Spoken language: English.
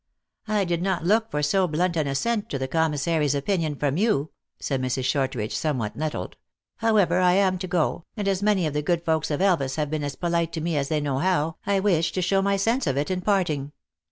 " I did not look for so blunt an assent to the com missary s opinion from you," said Mrs. Shortridge, somewhat nettled ;" however, I am to go, and as many of the good folks of Elvas have been as polite to me as they know how, I wish to show my sense of it in parting.